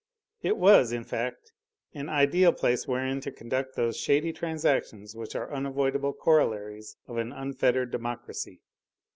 It was, in fact, an ideal place wherein to conduct those shady transactions which are unavoidable corollaries of an unfettered democracy.